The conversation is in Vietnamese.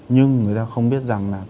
nhưng người ta không biết rằng là